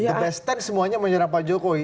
the best ten semuanya menyerang pak jokowi